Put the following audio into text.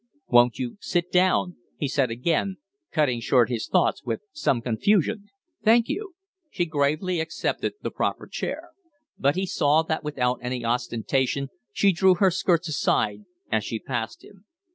"Won't you sit down?" he said again, cutting short his thoughts with some confusion. "Thank you." She gravely accepted the proffered chair. But he saw that without any ostentation she drew her skirts aside as she passed him.